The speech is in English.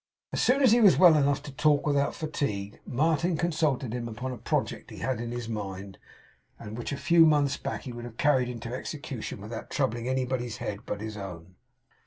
As soon as he was well enough to talk without fatigue, Martin consulted him upon a project he had in his mind, and which a few months back he would have carried into execution without troubling anybody's head but his own.